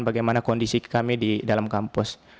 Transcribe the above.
bagaimana kondisi kami di dalam kampus